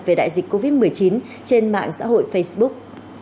về đại dịch covid một mươi chín trên mạng xã hội facebook